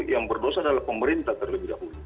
yang berdosa adalah pemerintah terlebih dahulu